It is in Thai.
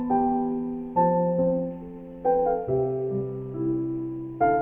จนแหล่งด้านหลัด